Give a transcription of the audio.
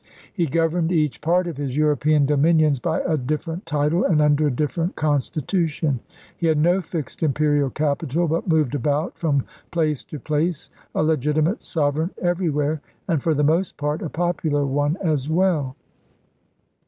He governed each part of his European dominions by a different title and under a different constitu tion. He had no fixed imperial capital, but moved about from place to place, a legitimate sovereign everywhere and, for the most part, a popular one as well.